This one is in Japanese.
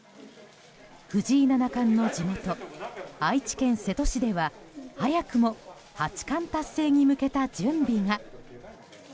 藤井七冠の地元愛知県瀬戸市では早くも八冠達成に向けた準備が。